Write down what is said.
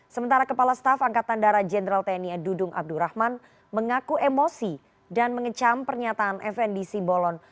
sementara kepala staf angkatan darat jenderal tni edudung abdurrahman mengaku emosi dan mengecam pernyataan fnd simbolon